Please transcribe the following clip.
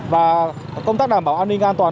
và công tác đảm bảo an ninh an toàn